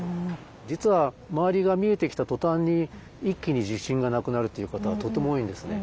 実は周りが見えてきた途端に一気に自信がなくなるっていう方はとても多いんですね。